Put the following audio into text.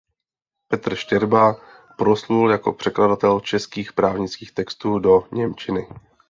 Petr Štěrba proslul jako překladatel českých právnických textů do němčiny.